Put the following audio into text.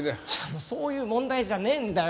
もうそういう問題じゃねえんだよ。